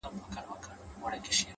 • خو په اوسنیو شرایطو کي ,